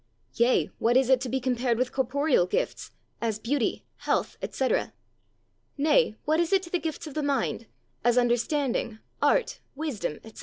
yea, what is it to be compared with corporeal gifts, as beauty, health, etc.? nay, what is it to the gifts of the mind, as understanding, art, wisdom, etc.?